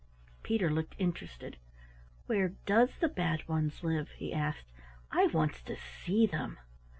Peter looked interested. "Where does the Bad Ones live?" he asked. "I wants to see them."